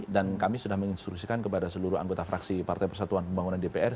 dan kami sudah menginstruksikan kepada seluruh anggota fraksi partai persatuan pembangunan dpr